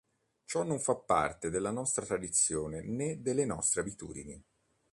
Ciò non fa parte della nostra tradizione, né delle nostre abitudini.